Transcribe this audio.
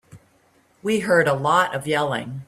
We heard a lot of yelling.